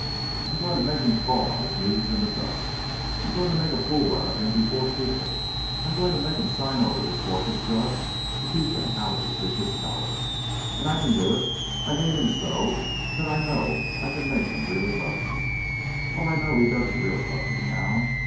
I'm going to make him crawl on his knees in the dust. I'm going to make a fool of him before people. I'm going to make him sign over his horses to us to keep them out of his vicious power. And I can do it I hate him so that I know I can make him really love me. Oh, I know he doesn't really love me now.